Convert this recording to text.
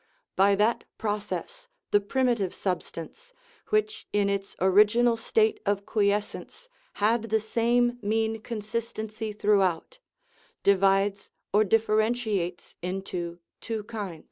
By that process the primitive substance, which in its original state of quiescence had the same mean consistency throughout, divides or differentiates into two kinds.